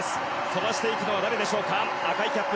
飛ばしていくのは誰でしょうか。